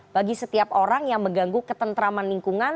bagi setiap orang yang mengganggu ketentraman lingkungan